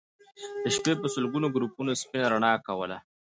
د شپې به سلګونو ګروپونو سپينه رڼا کوله